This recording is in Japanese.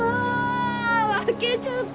負けちゃったよ！